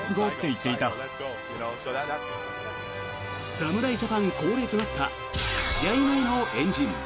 侍ジャパン恒例となった試合前の円陣。